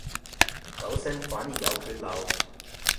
九聲反而有缺漏